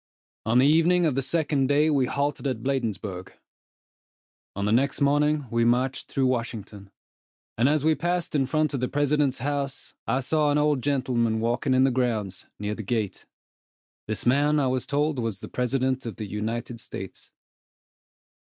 On the evening of the second day, we halted at Bladensburg. On the next morning, we marched through Washington, and as we passed in front of the President's house, I saw an old gentleman walking in the grounds, near the gate. This man I was told was the President of the United States.